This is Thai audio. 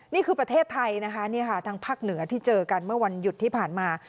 นี่คือประเทศไทยนะคะนี่ค่ะทางภาคเหนือที่เจอกันเมื่อวันหยุดที่ผ่านมา